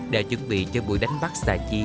để chuẩn bị cho buổi đánh bắt xà chi